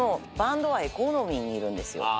にいるんですよ。